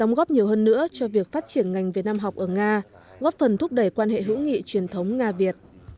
đồng chí trần quốc vượng đề xuất cho việc phát triển ngành việt nam học ở nga góp phần thúc đẩy quan hệ hữu nghị truyền thống nga việt